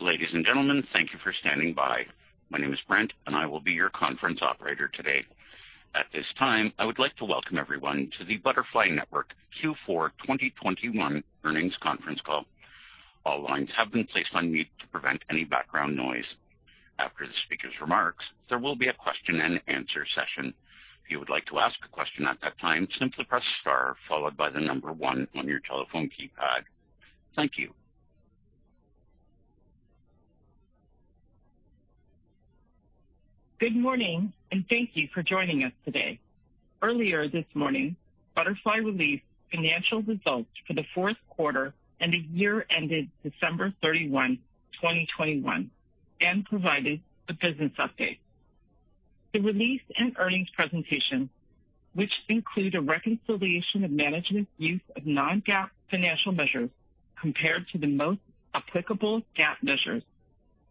Ladies and gentlemen, thank you for standing by. My name is Brent, and I will be your conference operator today. At this time, I would like to welcome everyone to the Butterfly Network Q4 2021 earnings conference call. All lines have been placed on mute to prevent any background noise. After the speaker's remarks, there will be a question-and-answer session. If you would like to ask a question at that time, simply press star followed by the number one on your telephone keypad. Thank you. Good morning, and thank you for joining us today. Earlier this morning, Butterfly released financial results for the fourth quarter and the year ended December 31, 2021, and provided a business update. The release and earnings presentation, which include a reconciliation of management's use of non-GAAP financial measures compared to the most applicable GAAP measures,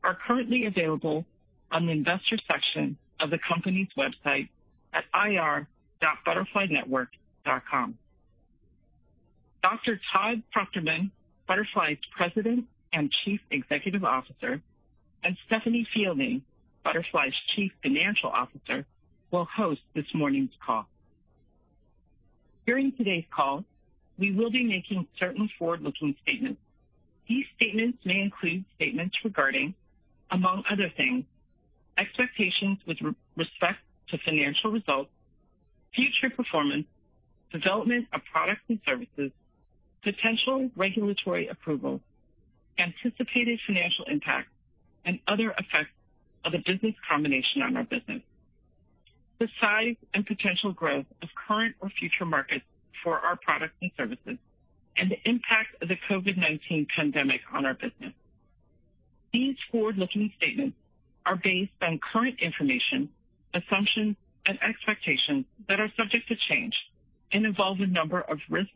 are currently available on the investor section of the company's website at ir.butterflynetwork.com. Dr. Todd Fruchterman, Butterfly's President and Chief Executive Officer, and Stephanie Fielding, Butterfly's Chief Financial Officer, will host this morning's call. During today's call, we will be making certain forward-looking statements. These statements may include statements regarding, among other things, expectations with respect to financial results, future performance, development of products and services, potential regulatory approval, anticipated financial impact, and other effects of a business combination on our business, the size and potential growth of current or future markets for our products and services, and the impact of the COVID-19 pandemic on our business. These forward-looking statements are based on current information, assumptions and expectations that are subject to change and involve a number of risks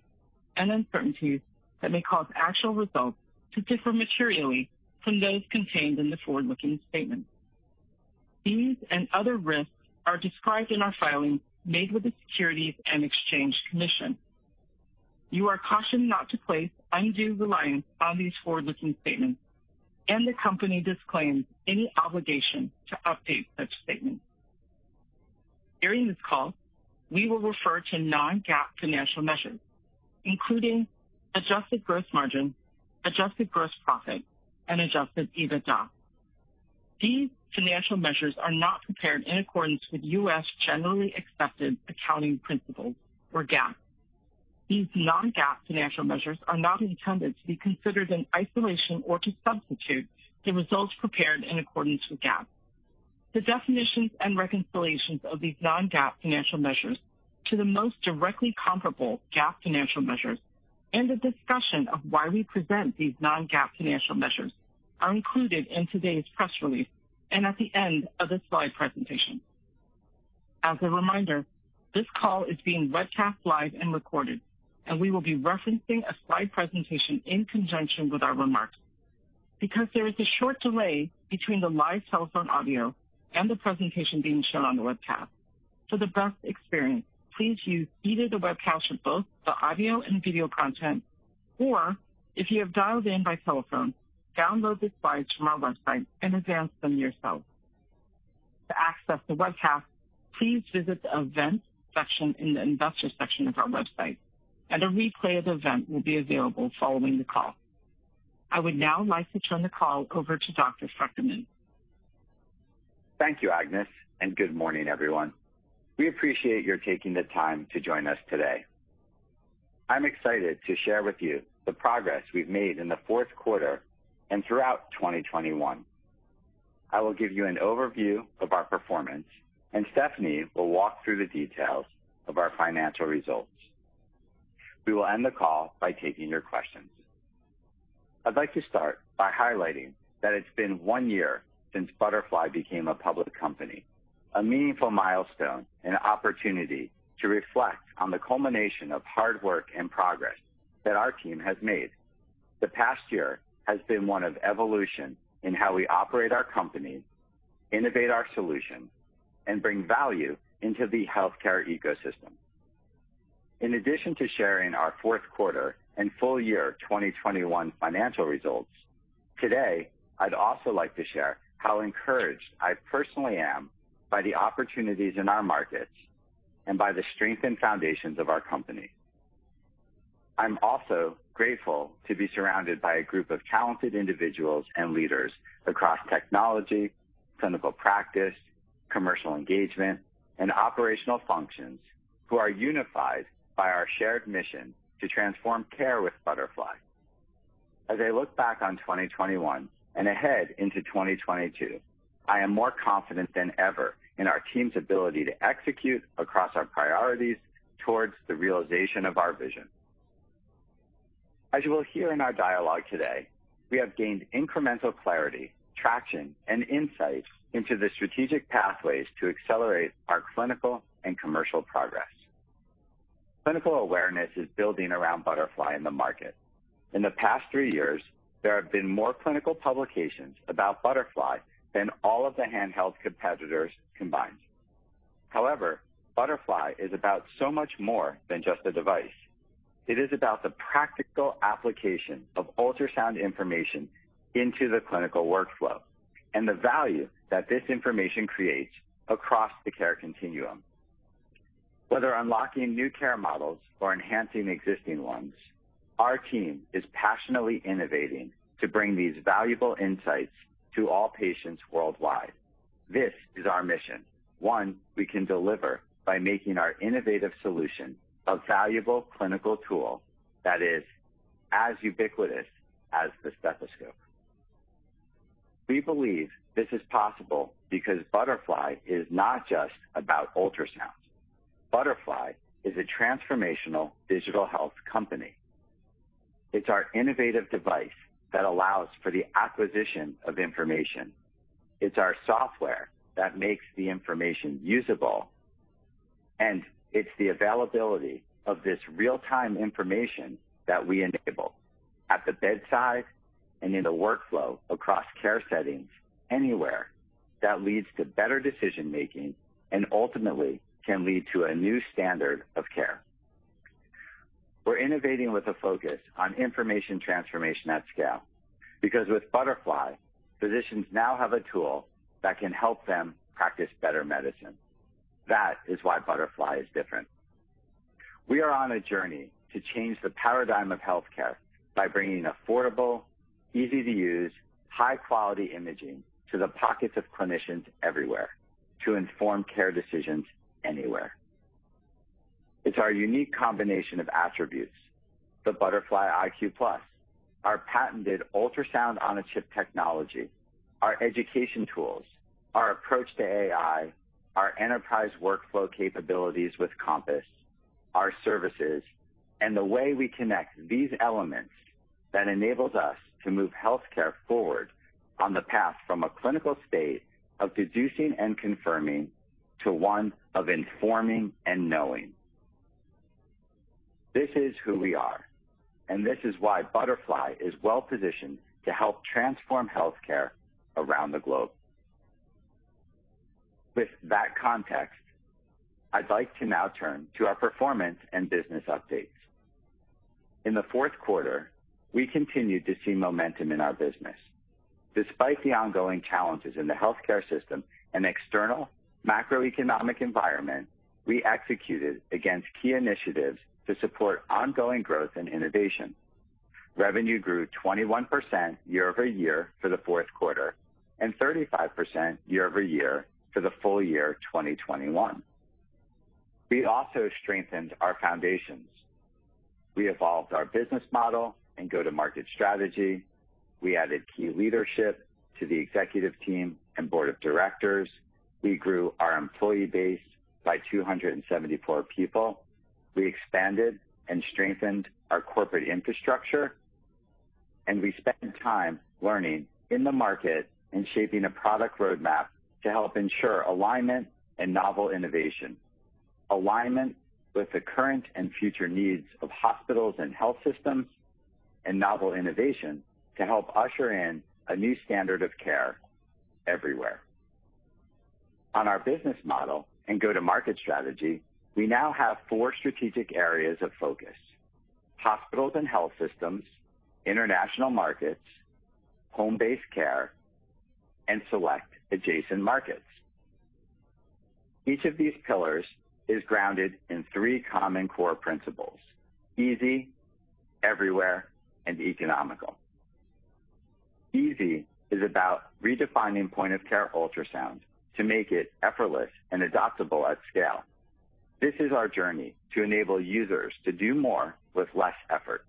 and uncertainties that may cause actual results to differ materially from those contained in the forward-looking statements. These and other risks are described in our filings made with the Securities and Exchange Commission. You are cautioned not to place undue reliance on these forward-looking statements, and the company disclaims any obligation to update such statements. During this call, we will refer to non-GAAP financial measures, including adjusted gross margin, adjusted gross profit, and Adjusted EBITDA. These financial measures are not prepared in accordance with U.S. generally accepted accounting principles or GAAP. These non-GAAP financial measures are not intended to be considered in isolation or to substitute the results prepared in accordance with GAAP. The definitions and reconciliations of these non-GAAP financial measures to the most directly comparable GAAP financial measures and a discussion of why we present these non-GAAP financial measures are included in today's press release and at the end of the slide presentation. As a reminder, this call is being webcast live and recorded, and we will be referencing a slide presentation in conjunction with our remarks. Because there is a short delay between the live telephone audio and the presentation being shown on the webcast, for the best experience, please use either the webcast with both the audio and video content or, if you have dialed in by telephone, download the slides from our website in advance and view them yourself. To access the webcast, please visit the events section in the investor section of our website, and a replay of the event will be available following the call. I would now like to turn the call over to Dr. Fruchterman. Thank you, Agnes, and good morning, everyone. We appreciate your taking the time to join us today. I'm excited to share with you the progress we've made in the fourth quarter and throughout 2021. I will give you an overview of our performance, and Stephanie will walk through the details of our financial results. We will end the call by taking your questions. I'd like to start by highlighting that it's been one year since Butterfly became a public company, a meaningful milestone and opportunity to reflect on the culmination of hard work and progress that our team has made. The past year has been one of evolution in how we operate our company, innovate our solutions, and bring value into the healthcare ecosystem. In addition to sharing our fourth quarter and full year 2021 financial results, today I'd also like to share how encouraged I personally am by the opportunities in our markets and by the strength and foundations of our company. I'm also grateful to be surrounded by a group of talented individuals and leaders across technology, clinical practice, commercial engagement, and operational functions who are unified by our shared mission to transform care with Butterfly. As I look back on 2021 and ahead into 2022, I am more confident than ever in our team's ability to execute across our priorities towards the realization of our vision. As you will hear in our dialogue today, we have gained incremental clarity, traction, and insights into the strategic pathways to accelerate our clinical and commercial progress. Clinical awareness is building around Butterfly in the market. In the past three years, there have been more clinical publications about Butterfly than all of the handheld competitors combined. However, Butterfly is about so much more than just a device. It is about the practical application of ultrasound information into the clinical workflow and the value that this information creates across the care continuum. Whether unlocking new care models or enhancing existing ones, our team is passionately innovating to bring these valuable insights to all patients worldwide. This is our mission, one we can deliver by making our innovative solution a valuable clinical tool that is as ubiquitous as the stethoscope. We believe this is possible because Butterfly is not just about ultrasound. Butterfly is a transformational digital health company. It's our innovative device that allows for the acquisition of information. It's our software that makes the information usable. It's the availability of this real-time information that we enable at the bedside and in the workflow across care settings anywhere that leads to better decision-making and ultimately can lead to a new standard of care. We're innovating with a focus on information transformation at scale because with Butterfly, physicians now have a tool that can help them practice better medicine. That is why Butterfly is different. We are on a journey to change the paradigm of healthcare by bringing affordable, easy-to-use, high-quality imaging to the pockets of clinicians everywhere to inform care decisions anywhere. It's our unique combination of attributes, the Butterfly iQ+, our patented Ultrasound-on-Chip technology, our education tools, our approach to AI, our enterprise workflow capabilities with Compass, our services, and the way we connect these elements that enables us to move healthcare forward on the path from a clinical state of deducing and confirming to one of informing and knowing. This is who we are, and this is why Butterfly is well-positioned to help transform healthcare around the globe. With that context, I'd like to now turn to our performance and business updates. In the fourth quarter, we continued to see momentum in our business. Despite the ongoing challenges in the healthcare system and external macroeconomic environment, we executed against key initiatives to support ongoing growth and innovation. Revenue grew 21% year-over-year for the fourth quarter and 35% year-over-year for the full year 2021. We also strengthened our foundations. We evolved our business model and go-to-market strategy. We added key leadership to the executive team and board of directors. We grew our employee base by 274 people. We expanded and strengthened our corporate infrastructure. We spent time learning in the market and shaping a product roadmap to help ensure alignment and novel innovation. Alignment with the current and future needs of hospitals and health systems and novel innovation to help usher in a new standard of care everywhere. On our business model and go-to-market strategy, we now have four strategic areas of focus. Hospitals and health systems, international markets, home-based care, and select adjacent markets. Each of these pillars is grounded in three common core principles, easy, everywhere, and economical. Easy is about redefining point-of-care ultrasound to make it effortless and adoptable at scale. This is our journey to enable users to do more with less effort.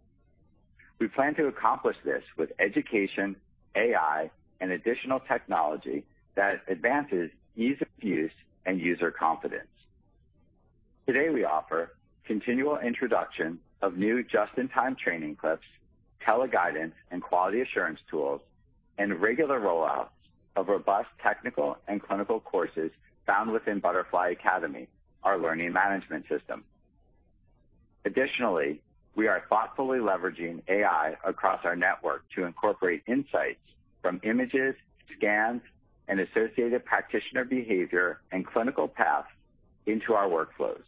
We plan to accomplish this with education, AI, and additional technology that advances ease of use and user confidence. Today, we offer continual introduction of new just-in-time training clips, teleguidance, and quality assurance tools, and regular rollouts of robust technical and clinical courses found within Butterfly Academy, our learning management system. Additionally, we are thoughtfully leveraging AI across our network to incorporate insights from images, scans, and associated practitioner behavior and clinical paths into our workflows.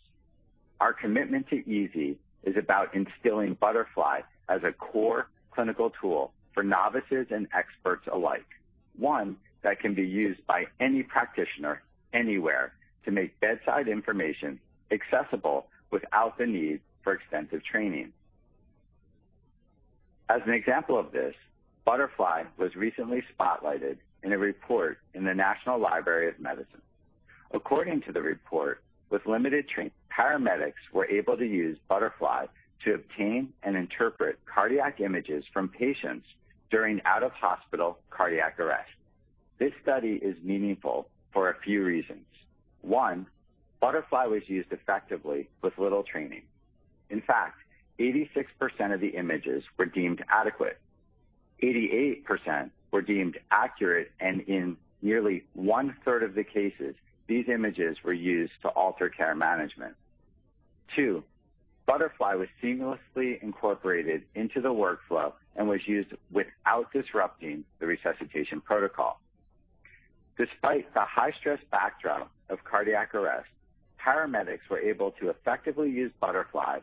Our commitment to easy is about instilling Butterfly as a core clinical tool for novices and experts alike. One that can be used by any practitioner anywhere to make bedside information accessible without the need for extensive training. As an example of this, Butterfly was recently spotlighted in a report in the National Library of Medicine. According to the report, with limited training, paramedics were able to use Butterfly to obtain and interpret cardiac images from patients during out-of-hospital cardiac arrest. This study is meaningful for a few reasons. One, Butterfly was used effectively with little training. In fact, 86% of the images were deemed adequate. 88% were deemed accurate, and in nearly one-third of the cases, these images were used to alter care management. Two, Butterfly was seamlessly incorporated into the workflow and was used without disrupting the resuscitation protocol. Despite the high stress backdrop of cardiac arrest, paramedics were able to effectively use Butterfly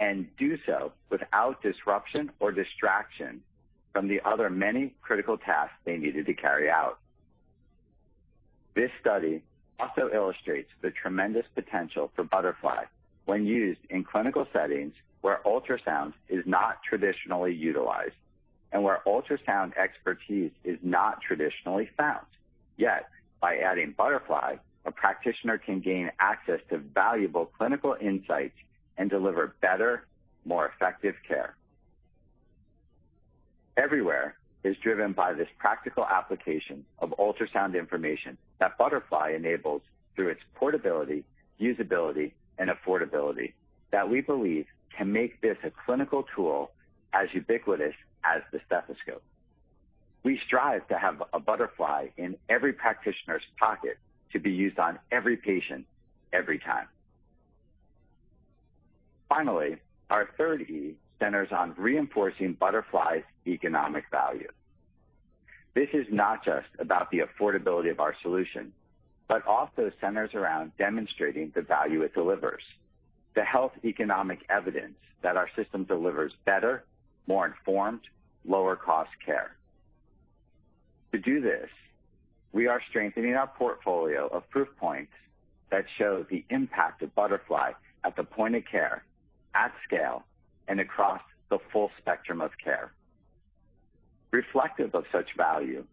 and do so without disruption or distraction from the other many critical tasks they needed to carry out. This study also illustrates the tremendous potential for Butterfly when used in clinical settings where ultrasound is not traditionally utilized and where ultrasound expertise is not traditionally found. Yet by adding Butterfly, a practitioner can gain access to valuable clinical insights and deliver better, more effective care. Everything is driven by this practical application of ultrasound information that Butterfly enables through its portability, usability and affordability that we believe can make this a clinical tool as ubiquitous as the stethoscope. We strive to have a Butterfly in every practitioner's pocket to be used on every patient every time. Finally, our third E centers on reinforcing Butterfly's economic value. This is not just about the affordability of our solution, but also centers around demonstrating the value it delivers, the health economic evidence that our system delivers better, more informed, lower cost care. To do this, we are strengthening our portfolio of proof points that show the impact of Butterfly at the point of care, at scale and across the full spectrum of care. Reflective of such value,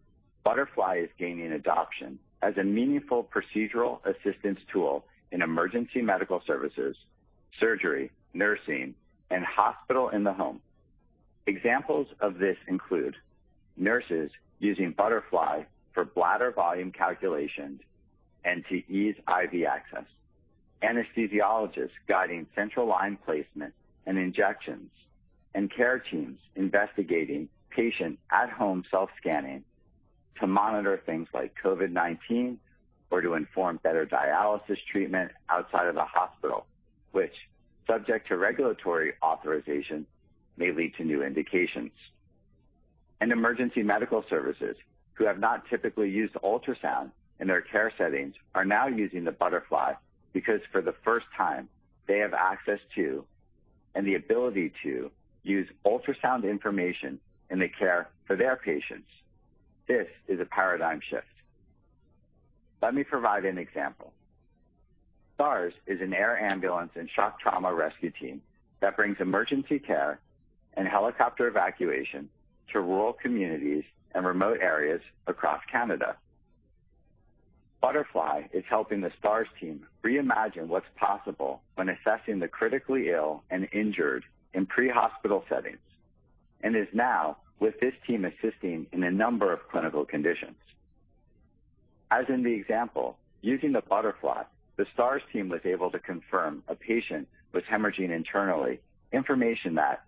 Butterfly is gaining adoption as a meaningful procedural assistance tool in emergency medical services, surgery, nursing and hospital in the home. Examples of this include nurses using Butterfly for bladder volume calculations and to ease IV access, anesthesiologists guiding central line placement and injections, and care teams investigating patient at home self-scanning to monitor things like COVID-19 or to inform better dialysis treatment outside of the hospital, which subject to regulatory authorization may lead to new indications. Emergency medical services who have not typically used ultrasound in their care settings are now using the Butterfly because for the first time, they have access to and the ability to use ultrasound information in the care for their patients. This is a paradigm shift. Let me provide an example. STARS is an air ambulance and shock trauma rescue team that brings emergency care and helicopter evacuation to rural communities and remote areas across Canada. Butterfly is helping the STARS team reimagine what's possible when assessing the critically ill and injured in pre-hospital settings, and is now with this team assisting in a number of clinical conditions. As in the example, using the Butterfly, the STARS team was able to confirm a patient was hemorrhaging internally. Information that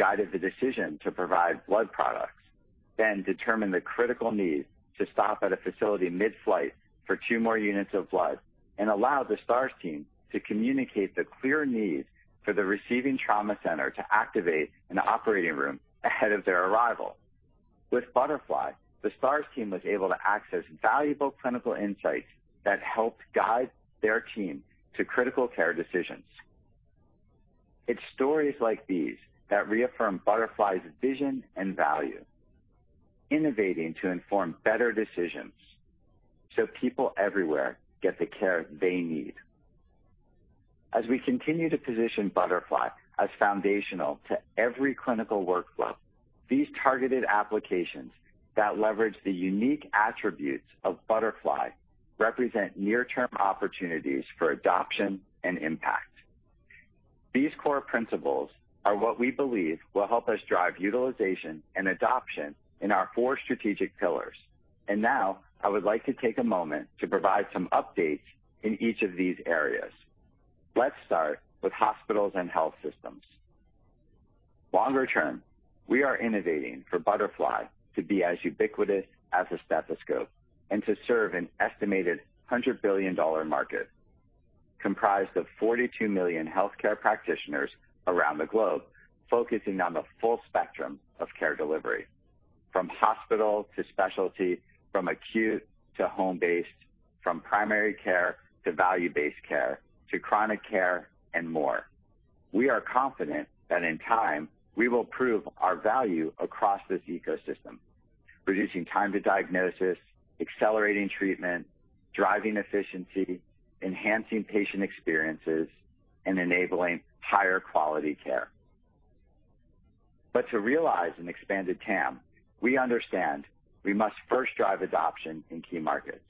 guided the decision to provide blood products, then determine the critical need to stop at a facility mid-flight for two more units of blood and allow the STARS team to communicate the clear need for the receiving trauma center to activate an operating room ahead of their arrival. With Butterfly, the STARS team was able to access valuable clinical insights that helped guide their team to critical care decisions. It's stories like these that reaffirm Butterfly's vision and value. Innovating to inform better decisions so people everywhere get the care they need. As we continue to position Butterfly as foundational to every clinical workflow, these targeted applications that leverage the unique attributes of Butterfly represent near-term opportunities for adoption and impact. These core principles are what we believe will help us drive utilization and adoption in our four strategic pillars. Now I would like to take a moment to provide some updates in each of these areas. Let's start with hospitals and health systems. Longer term, we are innovating for Butterfly to be as ubiquitous as a stethoscope and to serve an estimated $100 billion market comprised of 42 million healthcare practitioners around the globe, focusing on the full spectrum of care delivery, from hospital to specialty, from acute to home-based, from primary care to value-based care to chronic care and more. We are confident that in time, we will prove our value across this ecosystem, reducing time to diagnosis, accelerating treatment, driving efficiency, enhancing patient experiences, and enabling higher quality care. To realize an expanded TAM, we understand we must first drive adoption in key markets.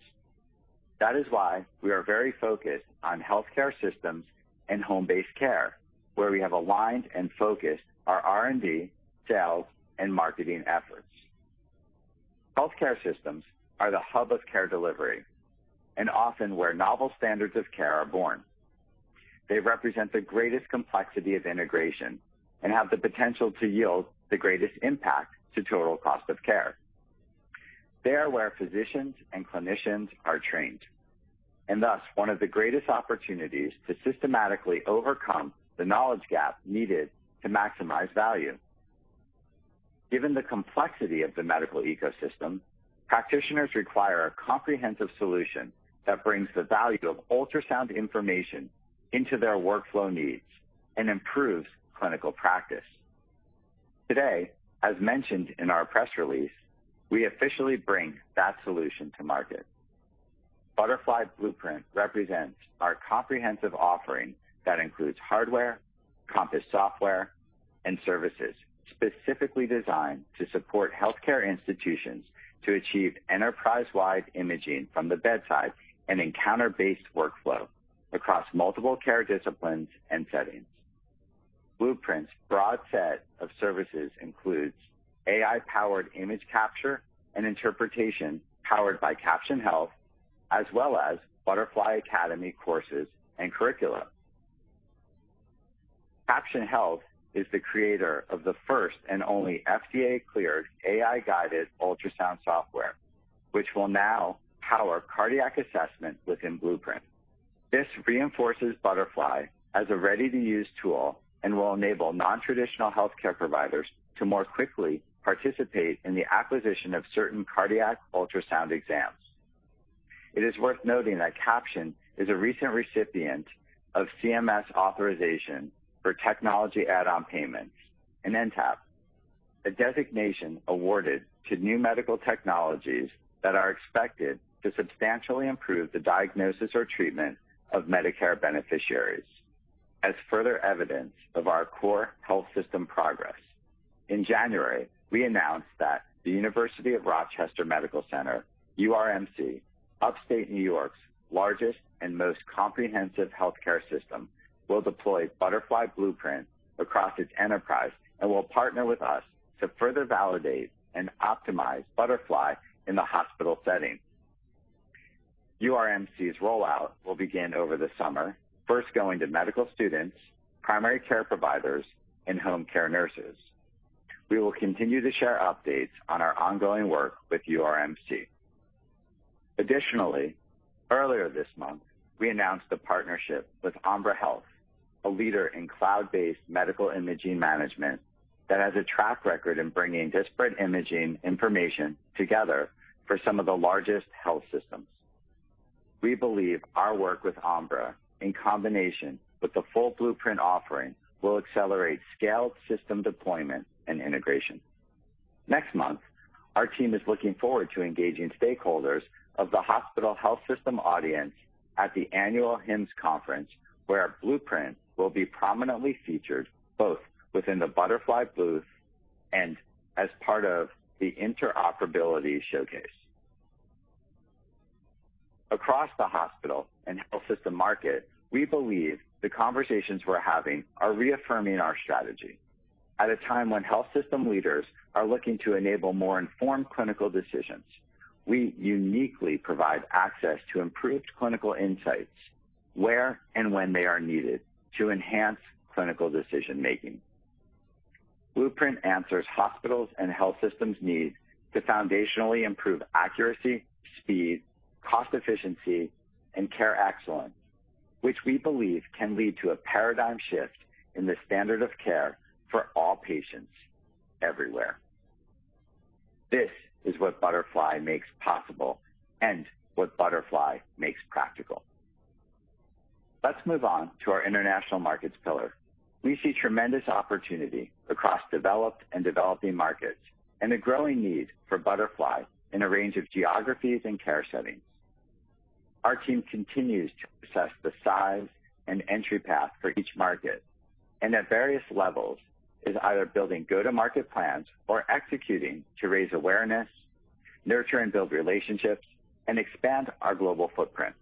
That is why we are very focused on healthcare systems and home-based care, where we have aligned and focused our R&D, sales and marketing efforts. Healthcare systems are the hub of care delivery and often where novel standards of care are born. They represent the greatest complexity of integration and have the potential to yield the greatest impact to total cost of care. They are where physicians and clinicians are trained. Thus one of the greatest opportunities to systematically overcome the knowledge gap needed to maximize value. Given the complexity of the medical ecosystem, practitioners require a comprehensive solution that brings the value of ultrasound information into their workflow needs and improves clinical practice. Today, as mentioned in our press release, we officially bring that solution to market. Butterfly Blueprint represents our comprehensive offering that includes hardware, Compass software, and services specifically designed to support healthcare institutions to achieve enterprise-wide imaging from the bedside and encounter-based workflow across multiple care disciplines and settings. Blueprint's broad set of services includes AI-powered image capture and interpretation powered by Caption Health, as well as Butterfly Academy courses and curricula. Caption Health is the creator of the first and only FDA-cleared AI-guided ultrasound software, which will now power cardiac assessment within Blueprint. This reinforces Butterfly as a ready-to-use tool and will enable non-traditional healthcare providers to more quickly participate in the acquisition of certain cardiac ultrasound exams. It is worth noting that Caption is a recent recipient of CMS authorization for technology add-on payments in NTAP, a designation awarded to new medical technologies that are expected to substantially improve the diagnosis or treatment of Medicare beneficiaries. As further evidence of our core health system progress, in January, we announced that the University of Rochester Medical Center, URMC, Upstate New York's largest and most comprehensive healthcare system, will deploy Butterfly Blueprint across its enterprise and will partner with us to further validate and optimize Butterfly in the hospital setting. URMC's rollout will begin over the summer, first going to medical students, primary care providers, and home care nurses. We will continue to share updates on our ongoing work with URMC. Additionally, earlier this month, we announced a partnership with Ambra Health, a leader in cloud-based medical imaging management that has a track record in bringing disparate imaging information together for some of the largest health systems. We believe our work with Ambra in combination with the full Blueprint offering will accelerate scaled system deployment and integration. Next month, our team is looking forward to engaging stakeholders of the hospital health system audience at the annual HIMSS Conference, where our Blueprint will be prominently featured both within the Butterfly booth and as part of the interoperability showcase. Across the hospital and health system market, we believe the conversations we're having are reaffirming our strategy. At a time when health system leaders are looking to enable more informed clinical decisions, we uniquely provide access to improved clinical insights where and when they are needed to enhance clinical decision-making. Blueprint answers hospitals' and health systems' need to foundationally improve accuracy, speed, cost efficiency, and care excellence, which we believe can lead to a paradigm shift in the standard of care for all patients everywhere. This is what Butterfly makes possible and what Butterfly makes practical. Let's move on to our international markets pillar. We see tremendous opportunity across developed and developing markets and a growing need for Butterfly in a range of geographies and care settings. Our team continues to assess the size and entry path for each market, and at various levels is either building go-to-market plans or executing to raise awareness, nurture and build relationships, and expand our global footprint.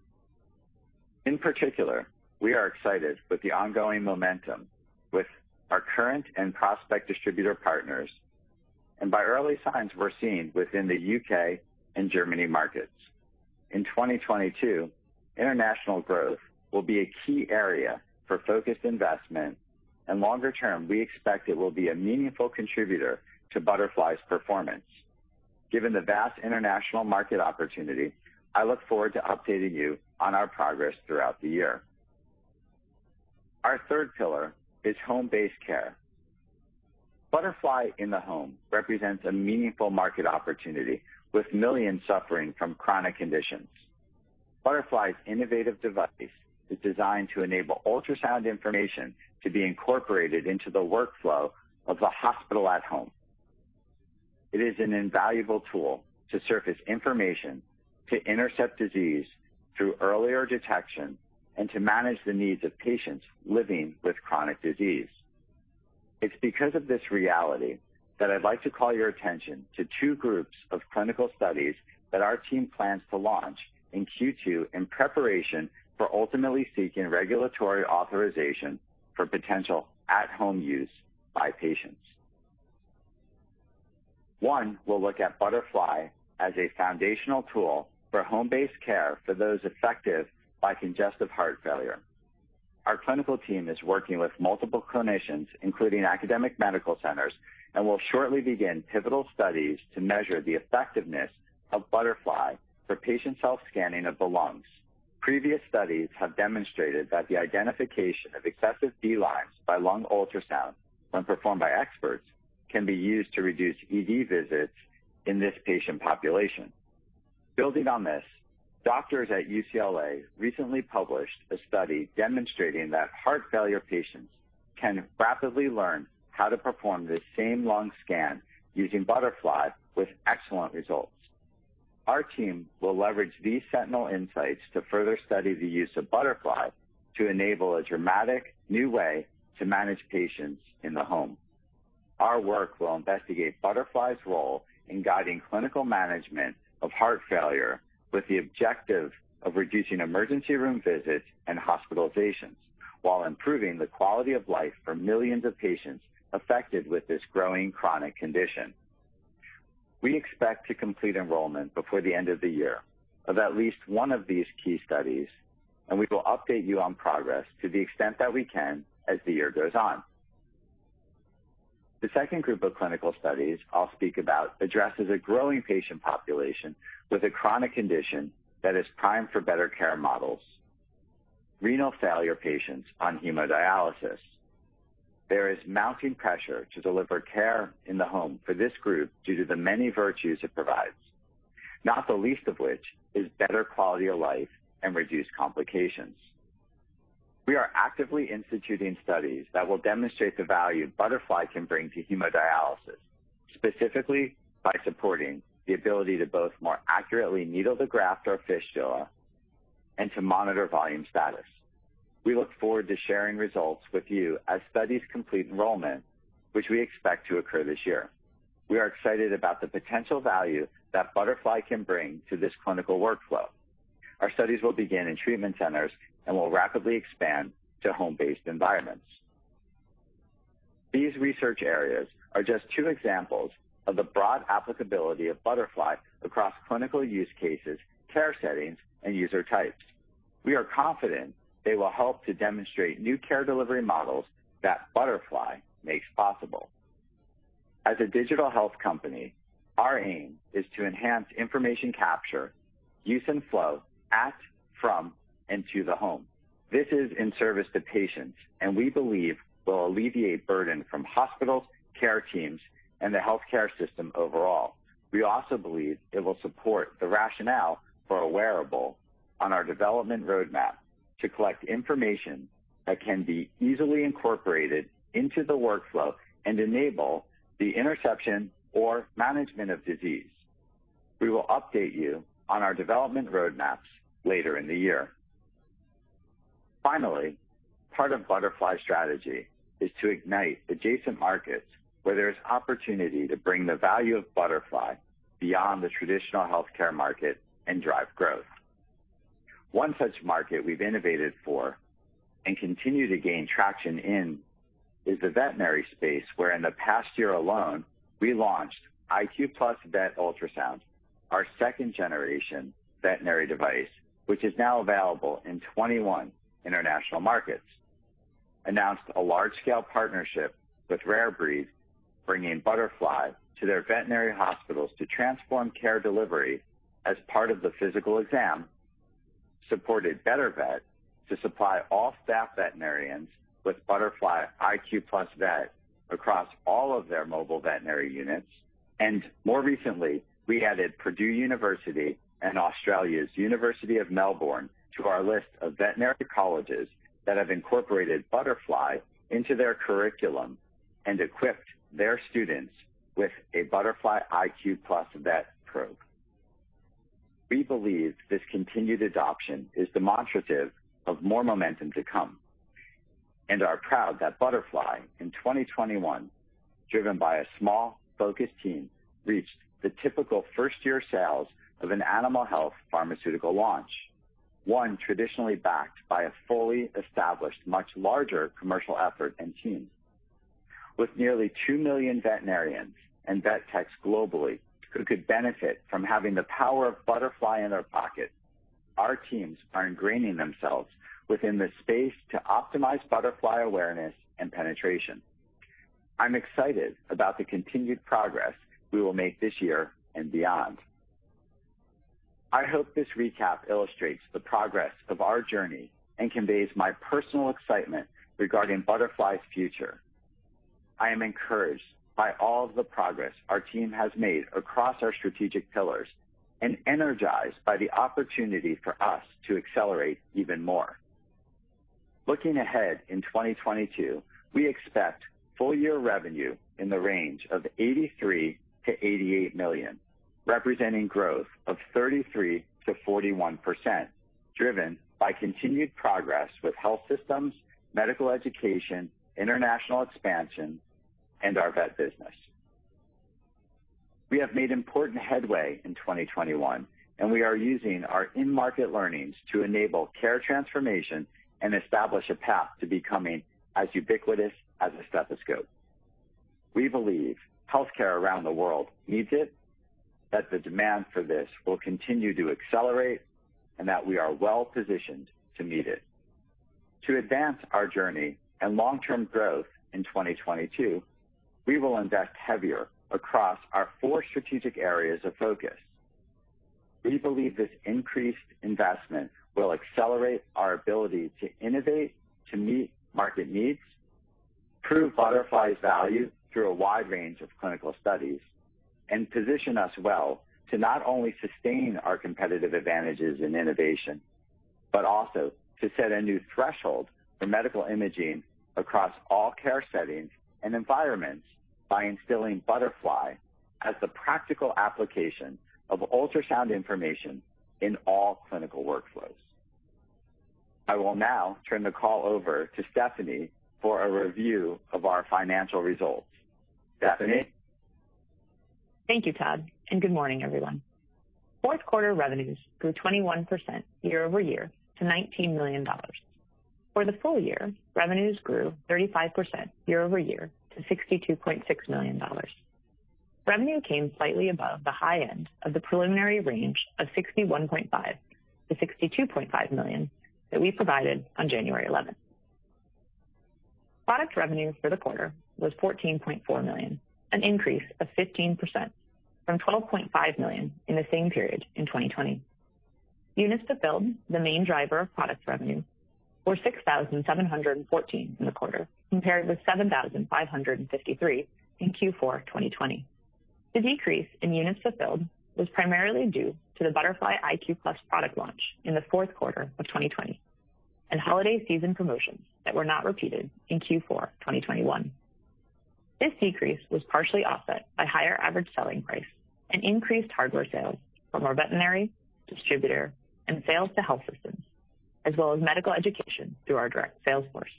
In particular, we are excited with the ongoing momentum with our current and prospective distributor partners and by early signs we're seeing within the U.K. and Germany markets. In 2022, international growth will be a key area for focused investment. Longer term, we expect it will be a meaningful contributor to Butterfly's performance. Given the vast international market opportunity, I look forward to updating you on our progress throughout the year. Our third pillar is home-based care. Butterfly in the home represents a meaningful market opportunity with millions suffering from chronic conditions. Butterfly's innovative device is designed to enable ultrasound information to be incorporated into the workflow of the hospital at home. It is an invaluable tool to surface information, to intercept disease through earlier detection, and to manage the needs of patients living with chronic disease. It's because of this reality that I'd like to call your attention to two groups of clinical studies that our team plans to launch in Q2 in preparation for ultimately seeking regulatory authorization for potential at-home use by patients. One will look at Butterfly as a foundational tool for home-based care for those affected by congestive heart failure. Our clinical team is working with multiple clinicians, including academic medical centers, and will shortly begin pivotal studies to measure the effectiveness of Butterfly for patient self-scanning of the lungs. Previous studies have demonstrated that the identification of excessive B-lines by lung ultrasound when performed by experts can be used to reduce ED visits in this patient population. Building on this, doctors at UCLA recently published a study demonstrating that heart failure patients can rapidly learn how to perform this same lung scan using Butterfly with excellent results. Our team will leverage these sentinel insights to further study the use of Butterfly to enable a dramatic new way to manage patients in the home. Our work will investigate Butterfly's role in guiding clinical management of heart failure with the objective of reducing emergency room visits and hospitalizations while improving the quality of life for millions of patients affected with this growing chronic condition. We expect to complete enrollment before the end of the year of at least one of these key studies, and we will update you on progress to the extent that we can as the year goes on. The second group of clinical studies I'll speak about addresses a growing patient population with a chronic condition that is primed for better care models, renal failure patients on hemodialysis. There is mounting pressure to deliver care in the home for this group due to the many virtues it provides, not the least of which is better quality of life and reduced complications. We are actively instituting studies that will demonstrate the value Butterfly can bring to hemodialysis, specifically by supporting the ability to both more accurately needle the graft or fistula and to monitor volume status. We look forward to sharing results with you as studies complete enrollment, which we expect to occur this year. We are excited about the potential value that Butterfly can bring to this clinical workflow. Our studies will begin in treatment centers and will rapidly expand to home-based environments. These research areas are just two examples of the broad applicability of Butterfly across clinical use cases, care settings, and user types. We are confident they will help to demonstrate new care delivery models that Butterfly makes possible. As a digital health company, our aim is to enhance information capture, use, and flow at, from, and to the home. This is in service to patients and we believe will alleviate burden from hospitals, care teams, and the healthcare system overall. We also believe it will support the rationale for a wearable on our development roadmap to collect information that can be easily incorporated into the workflow and enable the interception or management of disease. We will update you on our development roadmaps later in the year. Finally, part of Butterfly's strategy is to ignite adjacent markets where there is opportunity to bring the value of Butterfly beyond the traditional healthcare market and drive growth. One such market we've innovated for and continue to gain traction in is the veterinary space, where in the past year alone, we launched iQ+ Vet Ultrasound, our second-generation veterinary device, which is now available in 21 international markets. We announced a large-scale partnership with Rarebreed, bringing Butterfly to their veterinary hospitals to transform care delivery as part of the physical exam. supported BetterVet to supply all staff veterinarians with Butterfly iQ+ Vet across all of their mobile veterinary units. More recently, we added Purdue University and Australia's University of Melbourne to our list of veterinary colleges that have incorporated Butterfly into their curriculum and equipped their students with a Butterfly iQ+ Vet probe. We believe this continued adoption is demonstrative of more momentum to come and are proud that Butterfly in 2021, driven by a small focused team, reached the typical first-year sales of an animal health pharmaceutical launch, one traditionally backed by a fully established, much larger commercial effort and teams. With nearly 2 million veterinarians and vet techs globally who could benefit from having the power of Butterfly in their pocket, our teams are ingraining themselves within this space to optimize Butterfly awareness and penetration. I'm excited about the continued progress we will make this year and beyond. I hope this recap illustrates the progress of our journey and conveys my personal excitement regarding Butterfly's future. I am encouraged by all of the progress our team has made across our strategic pillars and energized by the opportunity for us to accelerate even more. Looking ahead in 2022, we expect full year revenue in the range of $83 million-$88 million, representing growth of 33%-41%, driven by continued progress with health systems, medical education, international expansion, and our vet business. We have made important headway in 2021, and we are using our in-market learnings to enable care transformation and establish a path to becoming as ubiquitous as a stethoscope. We believe healthcare around the world needs it, that the demand for this will continue to accelerate, and that we are well-positioned to meet it. To advance our journey and long-term growth in 2022, we will invest heavier across our four strategic areas of focus. We believe this increased investment will accelerate our ability to innovate to meet market needs, prove Butterfly's value through a wide range of clinical studies, and position us well to not only sustain our competitive advantages in innovation, but also to set a new threshold for medical imaging across all care settings and environments by instilling Butterfly as the practical application of ultrasound information in all clinical workflows. I will now turn the call over to Stephanie for a review of our financial results. Stephanie? Thank you, Todd, and good morning, everyone. Fourth quarter revenues grew 21% year-over-year to $19 million. For the full year, revenues grew 35% year-over-year to $62.6 million. Revenue came slightly above the high end of the preliminary range of $61.5 million-$62.5 million that we provided on January 11. Product revenue for the quarter was $14.4 million, an increase of 15% from $12.5 million in the same period in 2020. Units fulfilled, the main driver of product revenue, were 6,714 in the quarter, compared with 7,553 in Q4 2020. The decrease in units fulfilled was primarily due to the Butterfly iQ+ product launch in the fourth quarter of 2020 and holiday season promotions that were not repeated in Q4 2021. This decrease was partially offset by higher average selling price and increased hardware sales from our veterinary distributor and sales to health systems, as well as medical education through our direct sales force.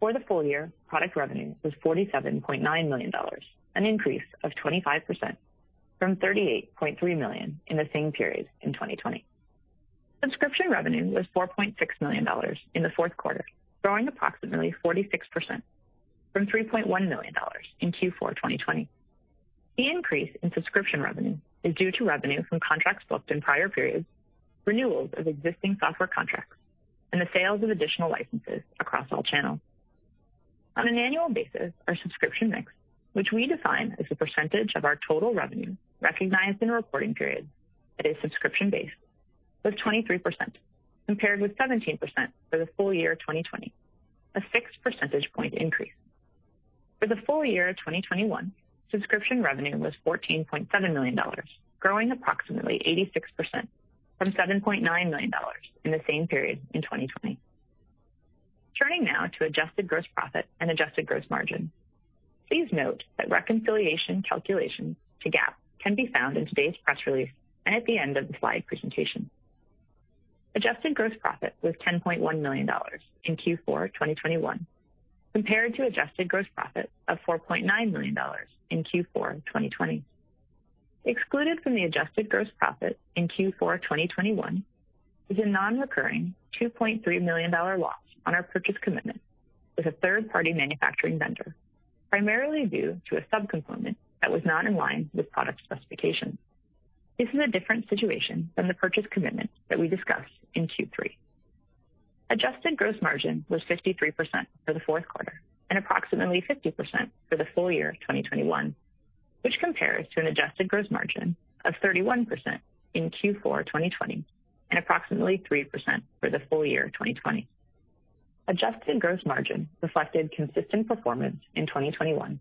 For the full year, product revenue was $47.9 million, an increase of 25% from $38.3 million in the same period in 2020. Subscription revenue was $4.6 million in the fourth quarter, growing approximately 46% from $3.1 million in Q4 2020. The increase in subscription revenue is due to revenue from contracts booked in prior periods, renewals of existing software contracts, and the sales of additional licenses across all channels. On an annual basis, our subscription mix, which we define as the percentage of our total revenue recognized in a reporting period that is subscription-based, was 23%, compared with 17% for the full year 2020, a six percentage point increase. For the full year of 2021, subscription revenue was $14.7 million, growing approximately 86% from $7.9 million in the same period in 2020. Turning now to adjusted gross profit and adjusted gross margin. Please note that reconciliation calculation to GAAP can be found in today's press release and at the end of the slide presentation. Adjusted gross profit was $10.1 million in Q4 2021, compared to adjusted gross profit of $4.9 million in Q4 2020. Excluded from the adjusted gross profit in Q4 2021 is a non-recurring $2.3 million loss on our purchase commitment with a third-party manufacturing vendor, primarily due to a sub-component that was not in line with product specifications. This is a different situation than the purchase commitment that we discussed in Q3. Adjusted gross margin was 53% for the fourth quarter and approximately 50% for the full year of 2021, which compares to an adjusted gross margin of 31% in Q4 2020 and approximately 3% for the full year of 2020. Adjusted gross margin reflected consistent performance in 2021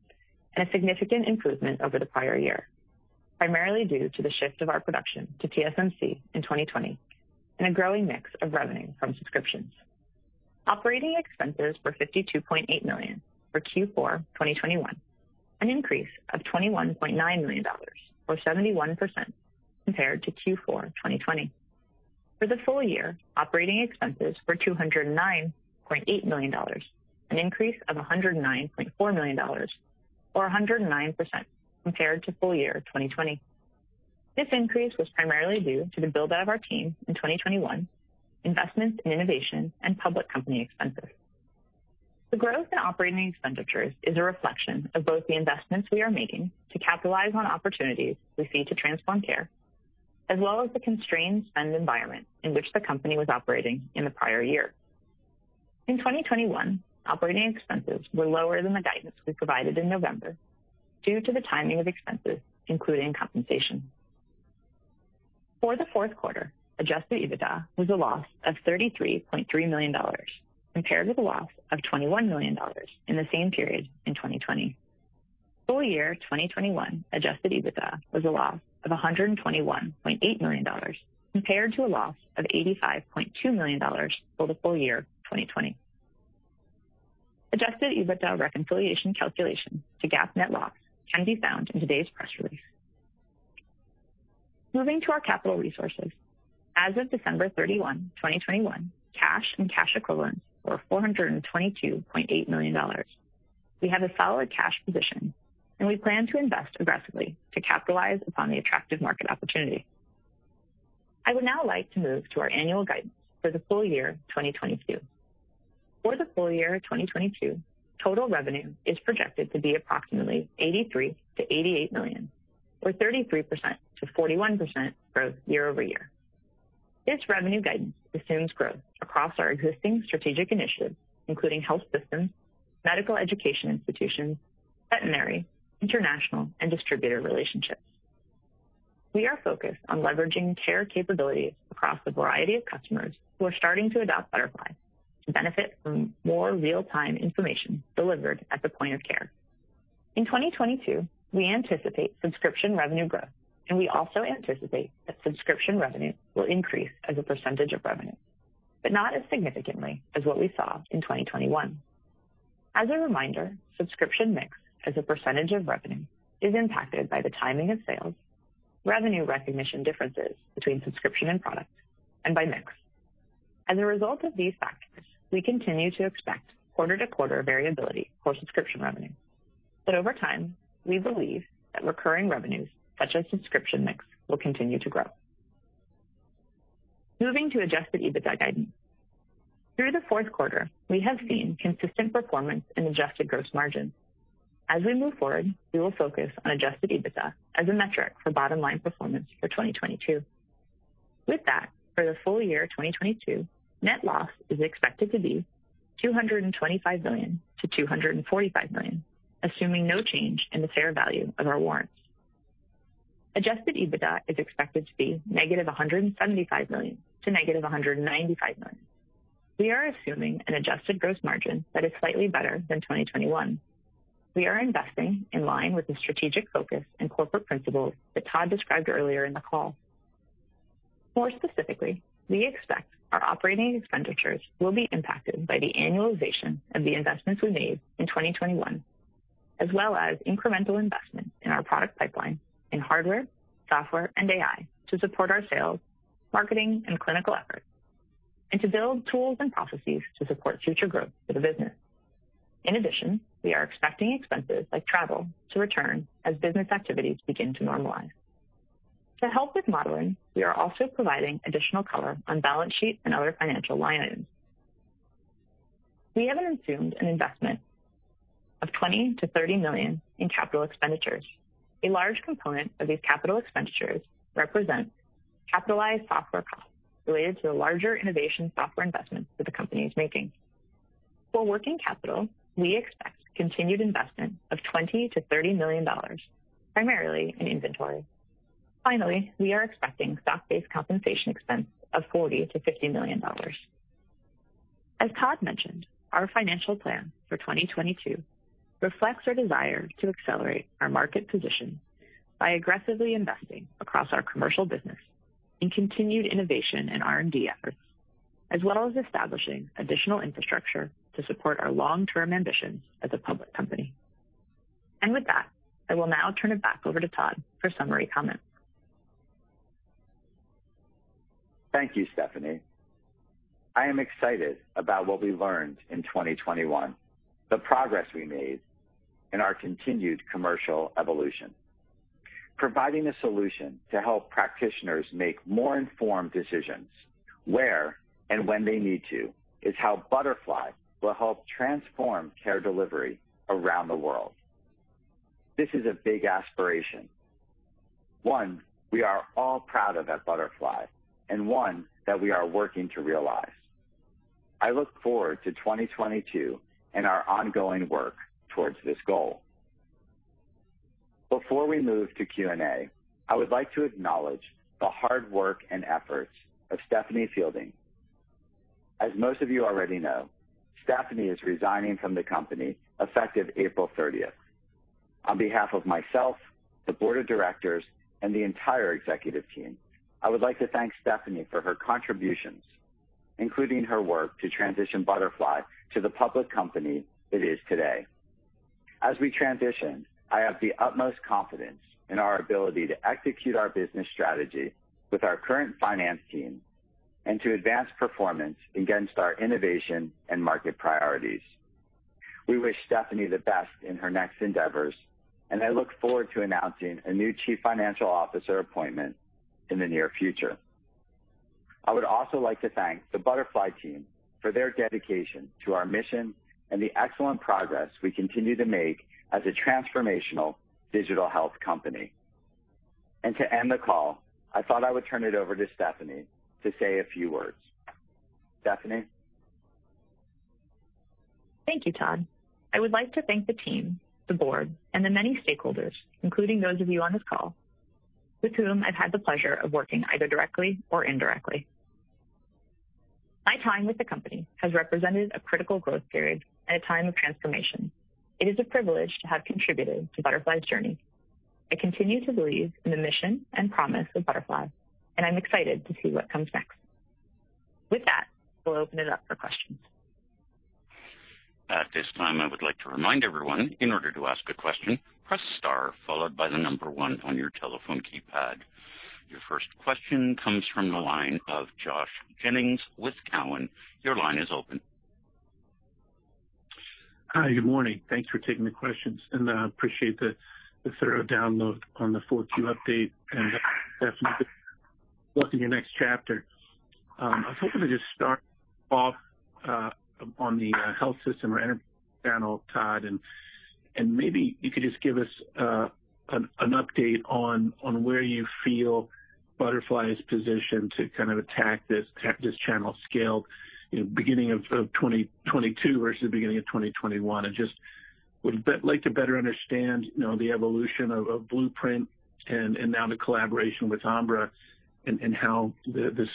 and a significant improvement over the prior year, primarily due to the shift of our production to TSMC in 2020 and a growing mix of revenue from subscriptions. Operating expenses were $52.8 million for Q4 2021, an increase of $21.9 million or 71% compared to Q4 2020. For the full year, operating expenses were $209.8 million, an increase of $109.4 million or 109% compared to full year 2020. This increase was primarily due to the build-out of our team in 2021, investments in innovation, and public company expenses. The growth in operating expenditures is a reflection of both the investments we are making to capitalize on opportunities we see to transform care, as well as the constrained spend environment in which the company was operating in the prior year. In 2021, operating expenses were lower than the guidance we provided in November due to the timing of expenses, including compensation. For the fourth quarter, Adjusted EBITDA was a loss of $33.3 million, compared to the loss of $21 million in the same period in 2020. Full year 2021 Adjusted EBITDA was a loss of $121.8 million, compared to a loss of $85.2 million for the full year of 2020. Adjusted EBITDA reconciliation calculation to GAAP net loss can be found in today's press release. Moving to our capital resources. As of December 31, 2021, cash and cash equivalents were $422.8 million. We have a solid cash position, and we plan to invest aggressively to capitalize upon the attractive market opportunity. I would now like to move to our annual guidance for the full year 2022. For the full year 2022, total revenue is projected to be approximately $83 million-$88 million or 33%-41% growth year-over-year. This revenue guidance assumes growth across our existing strategic initiatives, including health systems, medical education institutions, veterinary, international, and distributor relationships. We are focused on leveraging care capabilities across the variety of customers who are starting to adopt Butterfly to benefit from more real-time information delivered at the point of care. In 2022, we anticipate subscription revenue growth, and we also anticipate that subscription revenue will increase as a percentage of revenue, but not as significantly as what we saw in 2021. As a reminder, subscription mix as a percentage of revenue is impacted by the timing of sales, revenue recognition differences between subscription and product, and by mix. As a result of these factors, we continue to expect quarter-over-quarter variability for subscription revenue. Over time, we believe that recurring revenues such as subscription mix will continue to grow. Moving to Adjusted EBITDA guidance. Through the fourth quarter, we have seen consistent performance in adjusted gross margin. As we move forward, we will focus on Adjusted EBITDA as a metric for bottom line performance for 2022. With that, for the full year 2022, net loss is expected to be $225 million-$245 million, assuming no change in the fair value of our warrants. Adjusted EBITDA is expected to be -$175 million to -$195 million. We are assuming an adjusted gross margin that is slightly better than 2021. We are investing in line with the strategic focus and corporate principles that Todd described earlier in the call. More specifically, we expect our operating expenditures will be impacted by the annualization of the investments we made in 2021, as well as incremental investment in our product pipeline in hardware, software, and AI to support our sales, marketing and clinical efforts, and to build tools and processes to support future growth for the business. In addition, we are expecting expenses like travel to return as business activities begin to normalize. To help with modeling, we are also providing additional color on balance sheet and other financial line items. We have assumed an investment of $20 million-$30 million in capital expenditures. A large component of these capital expenditures represent capitalized software costs related to the larger innovation software investments that the company is making. For working capital, we expect continued investment of $20 million-$30 million, primarily in inventory. Finally, we are expecting stock-based compensation expense of $40 million-$50 million. As Todd mentioned, our financial plan for 2022 reflects our desire to accelerate our market position by aggressively investing across our commercial business in continued innovation and R&D efforts, as well as establishing additional infrastructure to support our long-term ambitions as a public company. With that, I will now turn it back over to Todd for summary comments. Thank you, Stephanie. I am excited about what we learned in 2021, the progress we made and our continued commercial evolution. Providing a solution to help practitioners make more informed decisions where and when they need to is how Butterfly will help transform care delivery around the world. This is a big aspiration, one we are all proud of at Butterfly and one that we are working to realize. I look forward to 2022 and our ongoing work towards this goal. Before we move to Q&A, I would like to acknowledge the hard work and efforts of Stephanie Fielding. As most of you already know, Stephanie is resigning from the company effective April 30th. On behalf of myself, the board of directors, and the entire executive team, I would like to thank Stephanie for her contributions, including her work to transition Butterfly to the public company it is today. As we transition, I have the utmost confidence in our ability to execute our business strategy with our current finance team and to advance performance against our innovation and market priorities. We wish Stephanie the best in her next endeavors, and I look forward to announcing a new Chief Financial Officer appointment in the near future. I would also like to thank the Butterfly team for their dedication to our mission and the excellent progress we continue to make as a transformational digital health company. To end the call, I thought I would turn it over to Stephanie to say a few words. Stephanie? Thank you, Todd. I would like to thank the team, the board, and the many stakeholders, including those of you on this call with whom I've had the pleasure of working either directly or indirectly. My time with the company has represented a critical growth period and a time of transformation. It is a privilege to have contributed to Butterfly's journey. I continue to believe in the mission and promise of Butterfly, and I'm excited to see what comes next. With that, we'll open it up for questions. At this time, I would like to remind everyone in order to ask a question, press star followed by the number one on your telephone keypad. Your first question comes from the line of Joshua Jennings with Cowen. Your line is open. Hi, good morning. Thanks for taking the questions, and I appreciate the thorough download on the Q4 update and definitely looking at your next chapter. I was hoping to just start off on the health system or enterprise channel, Todd, and maybe you could just give us an update on where you feel Butterfly is positioned to kind of attack this channel scale, you know, beginning of 2022 versus beginning of 2021. I just like to better understand, you know, the evolution of Blueprint and now the collaboration with Ambra and how the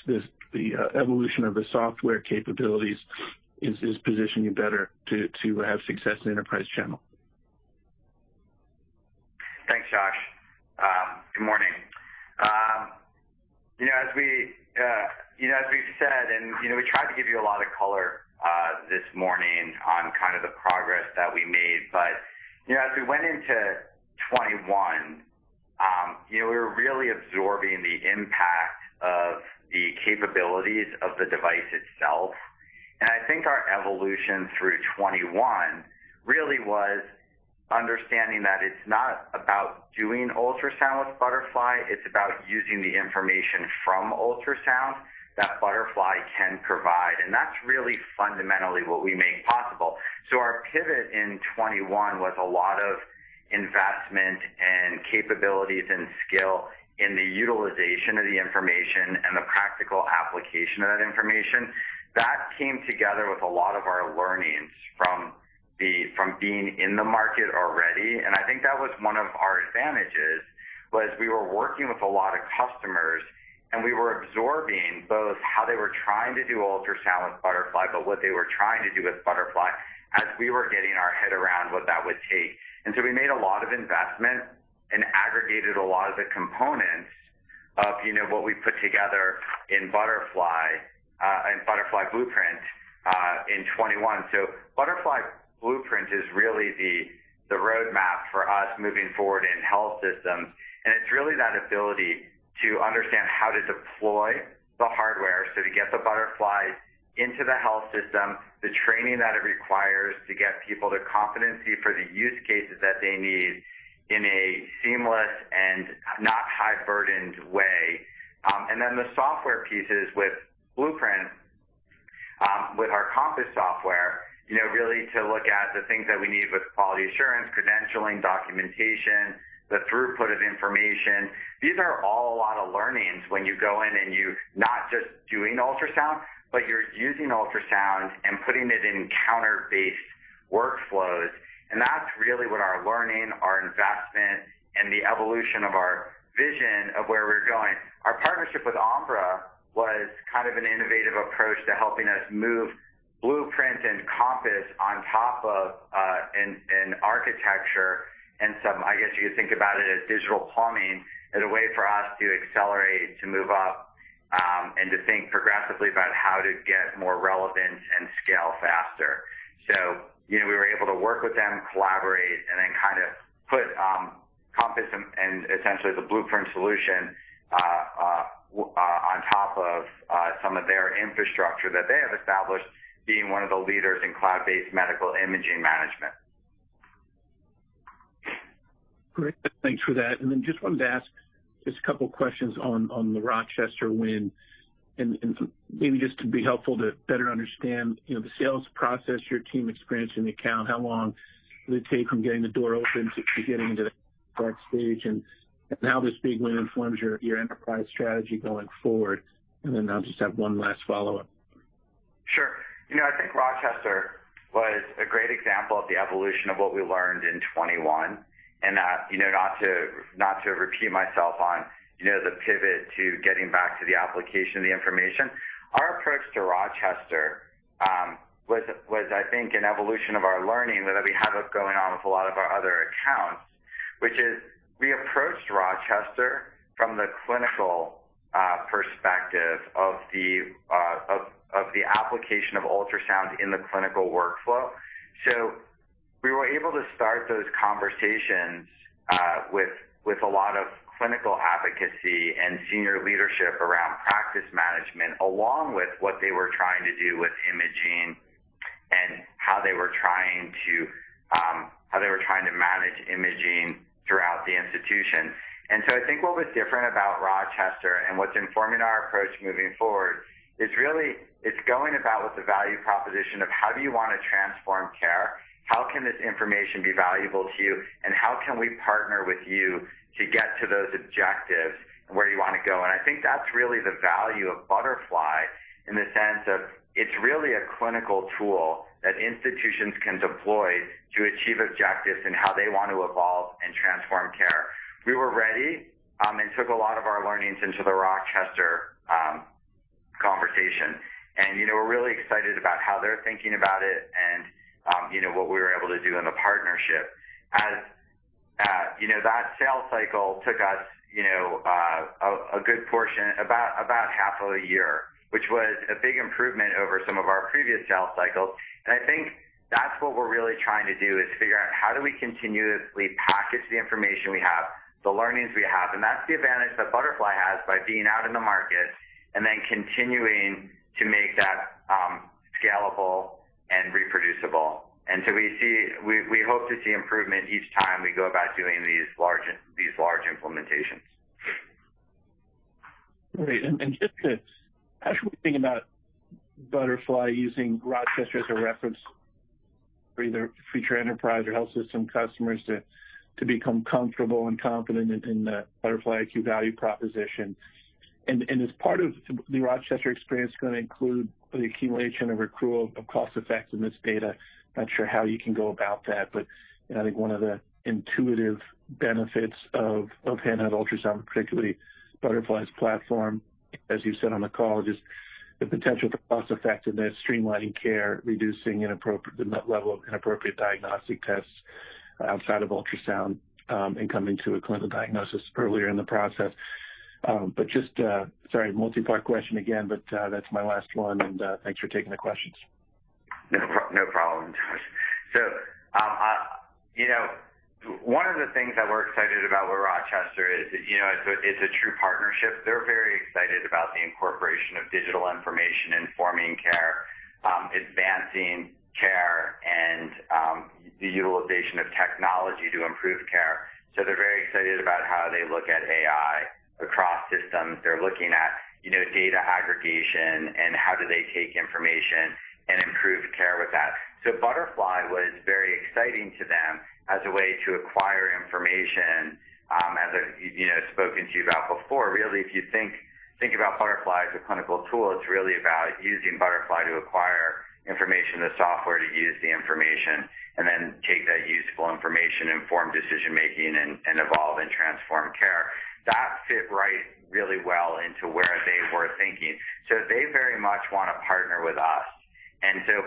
evolution of the software capabilities is positioning you better to have success in enterprise channel. Thanks, Josh. Good morning. You know, as we, you know, as we've said, and you know, we tried to give you a lot of color this morning on kind of the progress that we made. You know, as we went into 2021, you know, we were really absorbing the impact of the capabilities of the device itself. I think our evolution through 2021 really was understanding that it's not about doing ultrasound with Butterfly, it's about using the information from ultrasound that Butterfly can provide. That's really fundamentally what we make possible. Our pivot in 2021 was a lot of investment and capabilities and skill in the utilization of the information and the practical application of that information. That came together with a lot of our learnings from being in the market already. I think that was one of our advantages, was we were working with a lot of customers, and we were absorbing both how they were trying to do ultrasound with Butterfly, but what they were trying to do with Butterfly as we were getting our head around what that would take. We made a lot of investment and aggregated a lot of the components of, you know, what we put together in Butterfly, in Butterfly Blueprint, in 2021. Butterfly Blueprint is really the roadmap for us moving forward in health systems. It's really that ability to understand how to deploy the hardware, so to get the Butterfly into the health system, the training that it requires to get people the competency for the use cases that they need in a seamless and not high-burdened way. The software pieces with Blueprint, with our Compass software, you know, really to look at the things that we need with quality assurance, credentialing, documentation, the throughput of information. These are all a lot of learnings when you go in and you're not just doing ultrasound, but you're using ultrasound and putting it in computer-based workflows. That's really what our learning, our investment, and the evolution of our vision of where we're going. Our partnership with Ambra was kind of an innovative approach to helping us move Blueprint and Compass on top of an architecture and some, I guess, you could think about it as digital plumbing as a way for us to accelerate, to move up, and to think progressively about how to get more relevant and scale faster. You know, we were able to work with them, collaborate, and then kind of put Compass and essentially the Blueprint solution on top of some of their infrastructure that they have established being one of the leaders in cloud-based medical imaging management. Great. Thanks for that. Then just wanted to ask just a couple questions on the Rochester win, and maybe just to be helpful to better understand, you know, the sales process your team experienced in the account, how long did it take from getting the door open to getting to that stage, and how this big win informs your enterprise strategy going forward. Then I'll just have one last follow-up. Sure. You know, I think Rochester was a great example of the evolution of what we learned in 2021, and that, you know, not to repeat myself on, you know, the pivot to getting back to the application of the information. Our approach to Rochester was I think an evolution of our learning that we have going on with a lot of our other accounts, which is we approached Rochester from the clinical perspective of the application of ultrasound in the clinical workflow. We were able to start those conversations with a lot of clinical advocacy and senior leadership around practice management, along with what they were trying to do with imaging and how they were trying to manage imaging throughout the institution. I think what was different about Rochester and what's informing our approach moving forward is really it's going about with the value proposition of how do you wanna transform care, how can this information be valuable to you, and how can we partner with you to get to those objectives and where you wanna go. I think that's really the value of Butterfly in the sense of it's really a clinical tool that institutions can deploy to achieve objectives in how they want to evolve and transform care. We were ready, and took a lot of our learnings into the Rochester, conversation. You know, we're really excited about how they're thinking about it and, you know, what we were able to do in the partnership. As you know, that sales cycle took us, you know, a good portion, about half of a year, which was a big improvement over some of our previous sales cycles. I think that's what we're really trying to do is figure how do we continue to package the information we have, the learnings we have. That's the advantage that Butterfly has by being out in the market and then continuing to make that scalable and reproducible. We hope to see improvement each time we go about doing these large implementations. Great. How should we think about Butterfly using Rochester as a reference for either future enterprise or health system customers to become comfortable and confident in the Butterfly iQ value proposition? Is part of the Rochester experience going to include the accumulation or accrual of cost-effectiveness data? Not sure how you can go about that, but I think one of the intuitive benefits of handheld ultrasound, particularly Butterfly's platform, as you said on the call, just the potential cost-effectiveness, streamlining care, reducing the level of inappropriate diagnostic tests outside of ultrasound, and coming to a clinical diagnosis earlier in the process. Sorry, multipart question again, but that's my last one, and thanks for taking the questions. No problem, Josh. You know, one of the things that we're excited about with Rochester is, you know, it's a true partnership. They're very excited about the incorporation of digital information, informing care, advancing care, and the utilization of technology to improve care. They're very excited about how they look at AI across systems. They're looking at, you know, data aggregation and how do they take information and improve care with that. Butterfly was very exciting to them as a way to acquire information, as I've, you know, spoken to you about before. Really, if you think about Butterfly as a clinical tool, it's really about using Butterfly to acquire information, the software to use the information, and then take that useful information, inform decision-making, and evolve and transform care. That fit right really well into where they were thinking. They very much want to partner with us.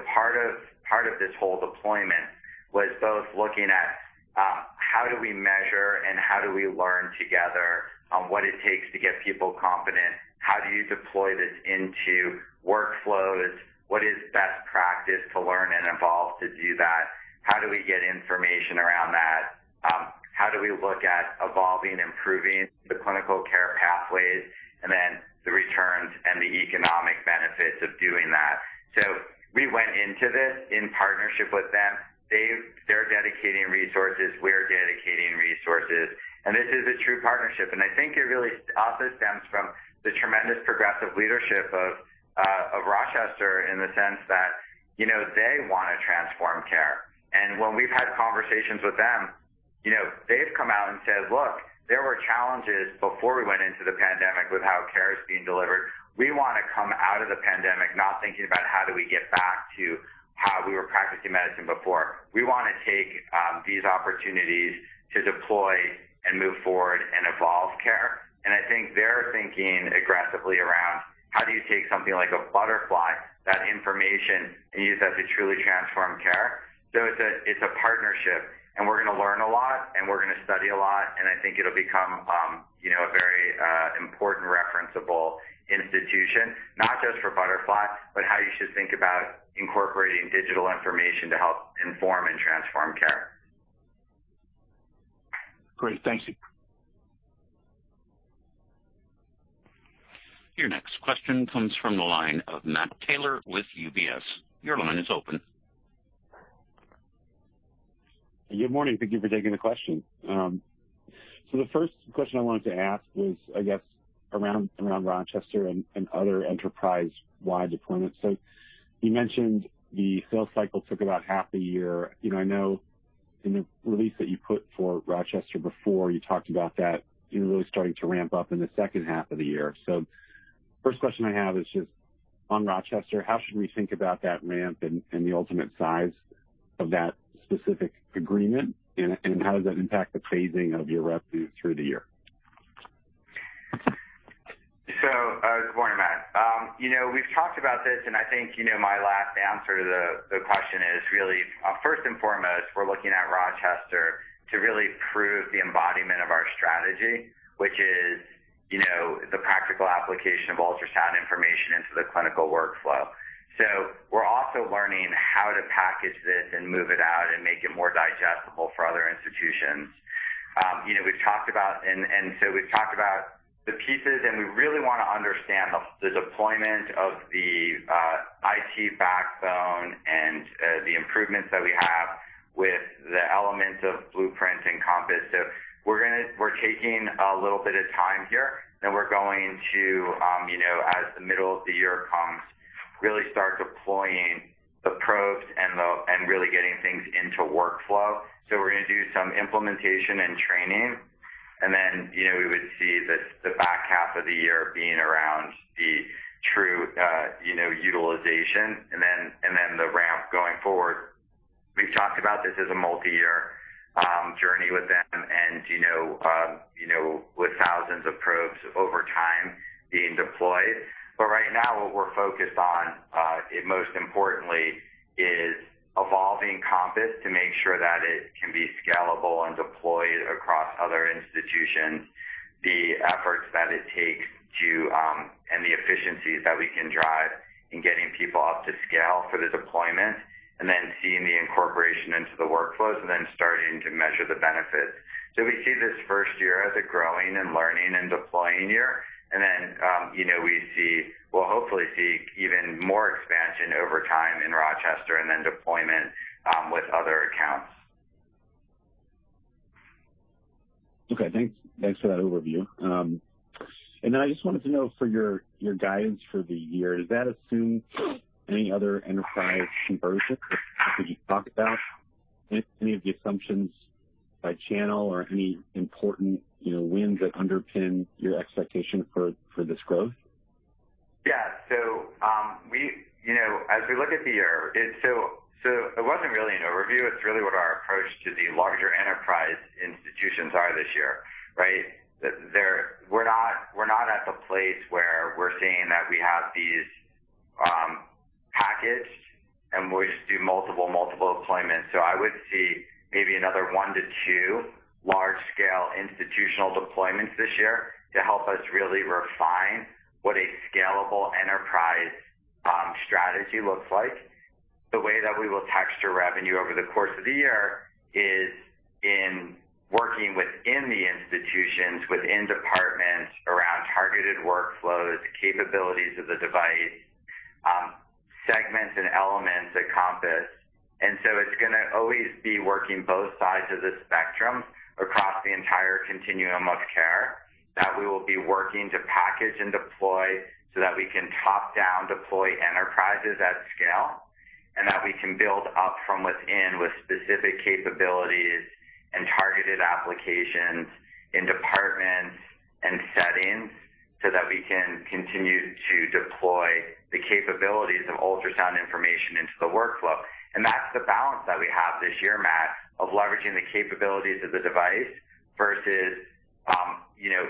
Part of this whole deployment was both looking at how do we measure and how do we learn together on what it takes to get people confident? How do you deploy this into workflows? What is best practice to learn and evolve to do that? How do we get information around that? How do we look at evolving, improving the clinical care pathways and then the returns and the economic benefits of doing that? We went into this in partnership with them. They're dedicating resources, we're dedicating resources, and this is a true partnership. I think it really also stems from the tremendous progressive leadership of Rochester in the sense that, you know, they want to transform care. When we've had conversations with them, you know, they've come out and said, "Look, there were challenges before we went into the pandemic with how care is being delivered. We want to come out of the pandemic not thinking about how do we get back to how we were practicing medicine before. We want to take these opportunities to deploy and move forward and evolve care." I think they're thinking aggressively around how do you take something like a Butterfly, that information, and use that to truly transform care. It's a partnership, and we're gonna learn a lot, and we're gonna study a lot, and I think it'll become, you know, a very important referenceable institution, not just for Butterfly, but how you should think about incorporating digital information to help inform and transform care. Great. Thank you. Your next question comes from the line of Matt Taylor with UBS. Your line is open. Good morning. Thank you for taking the question. The first question I wanted to ask was, I guess, around Rochester and other enterprise-wide deployments. You mentioned the sales cycle took about half a year. You know, I know in the release that you put for Rochester before, you talked about that you're really starting to ramp up in the second half of the year. First question I have is just on Rochester, how should we think about that ramp and the ultimate size of that specific agreement and how does that impact the phasing of your revenue through the year? Good morning, Matt. You know, we've talked about this, and I think, you know, my last answer to the question is really first and foremost, we're looking at Rochester to really prove the embodiment of our strategy, which is, you know, the practical application of ultrasound information into the clinical workflow. We're also learning how to package this and move it out and make it more digestible for other institutions. You know, we've talked about the pieces, and so we really wanna understand the deployment of the IT backbone and the improvements that we have with the elements of Blueprint and Compass. We're taking a little bit of time here, then we're going to, you know, as the middle of the year comes, really start deploying the probes and really getting things into workflow. We're gonna do some implementation and training, and then, you know, we would see the back half of the year being around the true utilization and then the ramp going forward. We've talked about this as a multi-year journey with them and, you know, with thousands of probes over time being deployed. Right now, what we're focused on, most importantly is evolving Compass to make sure that it can be scalable and deployed across other institutions. The efforts that it takes and the efficiencies that we can drive in getting people up to scale for the deployment and then seeing the incorporation into the workflows and then starting to measure the benefits. We see this first year as a growing and learning and deploying year. Then, you know, we'll hopefully see even more expansion over time in Rochester and then deployment with other accounts. Okay. Thanks for that overview. I just wanted to know for your guidance for the year, could you talk about any of the assumptions by channel or any important, you know, wins that underpin your expectation for this growth? Yeah. We, you know, as we look at the year, it wasn't really an overview. It's really what our approach to the larger enterprise institutions are this year, right? We're not at the place where we're seeing that we have these packaged, and we just do multiple deployments. I would see maybe another one to two large-scale institutional deployments this year to help us really refine what a scalable enterprise strategy looks like. The way that we will texture revenue over the course of the year is in working within the institutions, within departments around targeted workflows, capabilities of the device, segments and elements that Compass. It's gonna always be working both sides of the spectrum across the entire continuum of care that we will be working to package and deploy so that we can top down deploy enterprises at scale, and that we can build up from within, with specific capabilities and targeted applications in departments and settings so that we can continue to deploy the capabilities of ultrasound information into the workflow. That's the balance that we have this year, Matt, of leveraging the capabilities of the device versus, you know,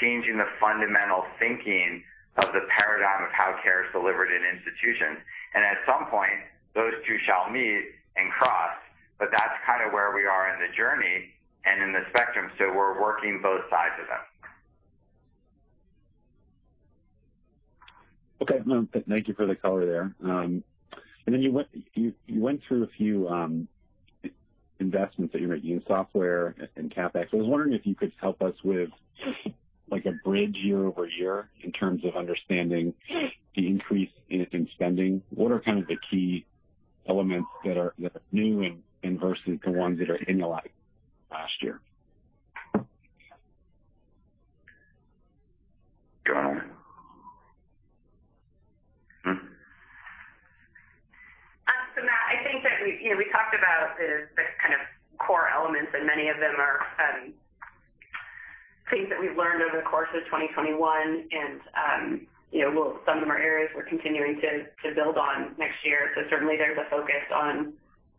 changing the fundamental thinking of the paradigm of how care is delivered in institutions. At some point, those two shall meet and cross, but that's kinda where we are in the journey and in the spectrum, so we're working both sides of it. Okay. No, thank you for the color there. You went through a few investments that you're making in software and CapEx. I was wondering if you could help us with like a bridge year-over-year in terms of understanding the increase in spending. What are kind of the key elements that are new versus the ones that are in the line last year? Go on. Matt, I think that we, you know, we talked about the kind of core elements, and many of them are things that we've learned over the course of 2021. You know, some of them are areas we're continuing to build on next year. Certainly, there's a focus on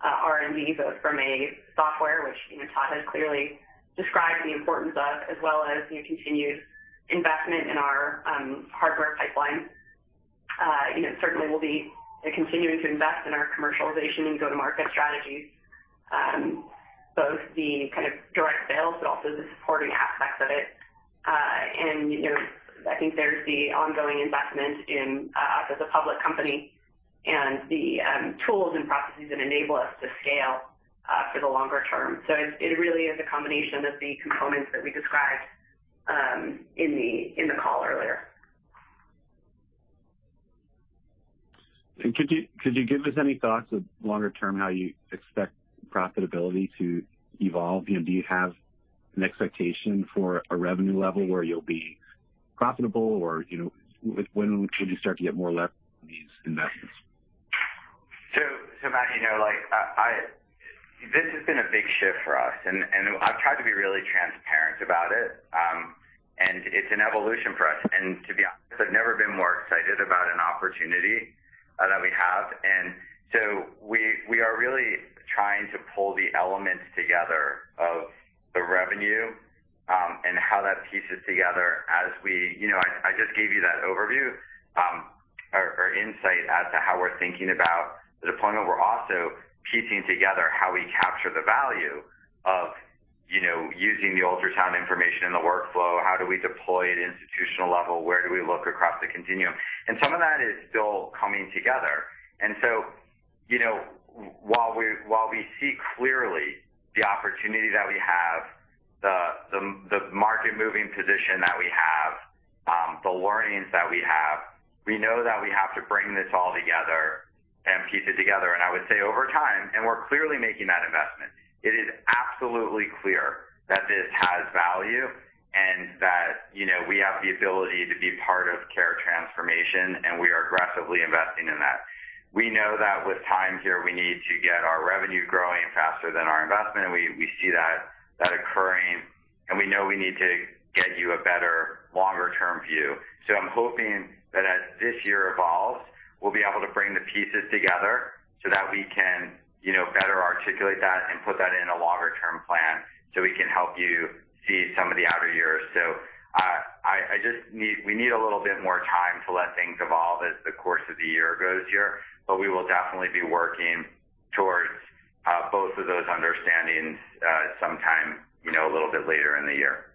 R&D, both from a software, which, you know, Todd has clearly described the importance of, as well as your continued investment in our hardware pipeline. You know, certainly we'll be continuing to invest in our commercialization and go-to-market strategies, both the kind of direct sales but also the supporting aspects of it. And, you know, I think there's the ongoing investment in as a public company and the tools and processes that enable us to scale for the longer term. It really is a combination of the components that we described in the call earlier. Could you give us any thoughts of longer term, how you expect profitability to evolve? You know, do you have an expectation for a revenue level where you'll be profitable or, you know, when would you start to get more leverage on these investments? Matt, this has been a big shift for us, and I've tried to be really transparent about it. It's an evolution for us. To be honest, I've never been more excited about an opportunity that we have. We are really trying to pull the elements together of the revenue and how that pieces together. I just gave you that overview or insight as to how we're thinking about the deployment. We're also piecing together how we capture the value of using the ultrasound information in the workflow. How do we deploy at institutional level? Where do we look across the continuum? Some of that is still coming together. You know, while we see clearly the opportunity that we have, the market moving position that we have, the learnings that we have, we know that we have to bring this all together and piece it together. I would say over time, and we're clearly making that investment, it is absolutely clear that this has value and that, you know, we have the ability to be part of care transformation, and we are aggressively investing in that. We know that with time here, we need to get our revenue growing faster than our investment. We see that occurring, and we know we need to get you a better longer term view. I'm hoping that as this year evolves, we'll be able to bring the pieces together so that we can, you know, better articulate that and put that in a longer term plan, so we can help you see some of the outer years. We need a little bit more time to let things evolve as the course of the year goes here, but we will definitely be working towards both of those understandings sometime, you know, a little bit later in the year.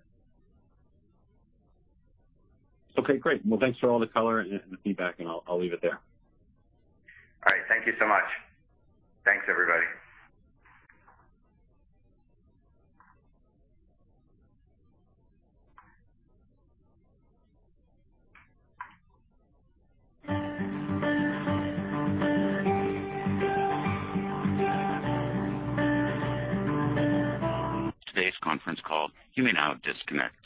Okay, great. Well, thanks for all the color and the feedback, and I'll leave it there. All right. Thank you so much. Thanks, everybody. Today's conference call, you may now disconnect.